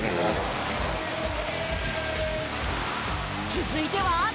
続いては。